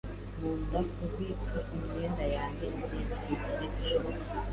Nkunda kubika imyenda yanjye igihe kirekire gishoboka.